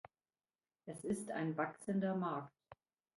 Es ist ein wachsender Markt.